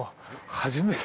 初めて？